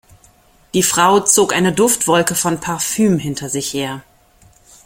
Die Frau zog eine Duftwolke von Parfüm hinter sich her.